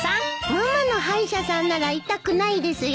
ママの歯医者さんなら痛くないですよ。